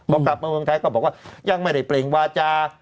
พอกลับมาเมืองไทยก็บอกว่ายังไม่ได้เปล่งวาจา